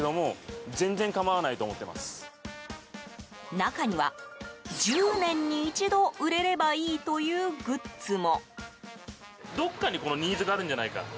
中には、１０年に一度売れればいいというグッズも。